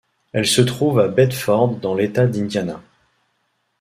Elle se trouve à Bedford dans l'État d'Indiana.